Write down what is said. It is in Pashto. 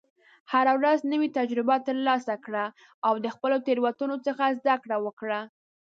هره ورځ نوې تجربې ترلاسه کړه، او د خپلو تېروتنو څخه زده کړه وکړه.